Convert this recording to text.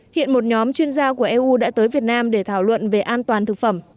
hiện một nhóm chuyên gia của eu đã tới việt nam để thảo luận về an toàn thực phẩm